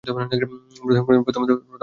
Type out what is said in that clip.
প্রথমত, high jump.